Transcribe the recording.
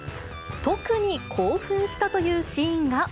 特に興奮したというシーンが。